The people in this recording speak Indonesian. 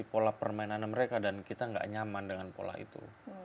pola permainan mereka dan kita nggak nyaman dengan pola itu